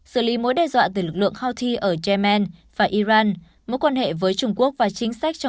xử lý mối đe dọa từ lực lượng houthi ở yemen và iran mối quan hệ với trung quốc và chính sách cho